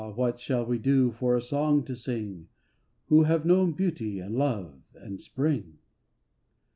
what shall we do for a song to sing, Who have known Beauty, and Love, and Spring